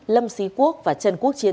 lâm xí quốc và trần quốc chiến